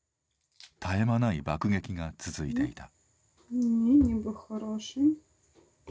絶え間ない爆撃が続いていた。